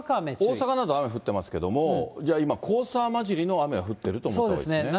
大阪など雨降ってますけど、今、黄砂交じりの雨が降ってると思ったほうがいいですね。